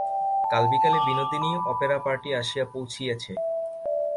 কাল বিকেলে Binodini opera party আসিয়া পৌঁছিয়াছে।